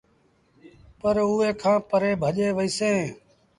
پر اُئي کآݩ پري ڀڄي وهيٚسينٚ